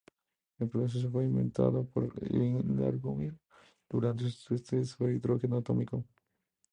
El proceso fue inventado por Irving Langmuir durante sus estudios sobre hidrógeno atómico.